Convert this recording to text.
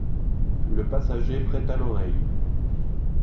Le passager prêta l’oreille.